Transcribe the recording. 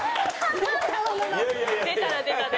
出たら出たで。